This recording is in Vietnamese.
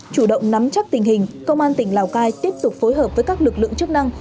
chủ động nắm chắc tình hình công an tỉnh lào cai tiếp tục phối hợp với các lực lượng chức năng